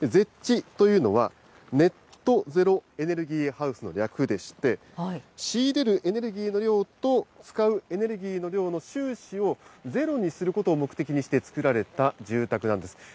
ＺＥＨというのは、ネット・ゼロ・エネルギー・ハウスの略でして、仕入れるエネルギーの量と、使うエネルギー量の収支をゼロにすることを目的にして作られた住宅なんです。